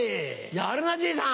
やるなじいさん。